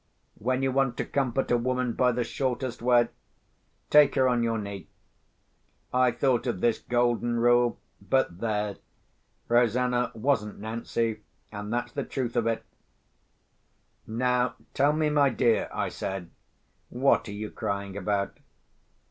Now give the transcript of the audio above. When you want to comfort a woman by the shortest way, take her on your knee. I thought of this golden rule. But there! Rosanna wasn't Nancy, and that's the truth of it! "Now, tell me, my dear," I said, "what are you crying about?"